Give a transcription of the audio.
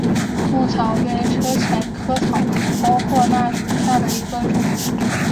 蚊母草为车前草科婆婆纳属下的一个种。